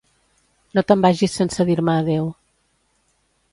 No te'n vagis sense dir-me adéu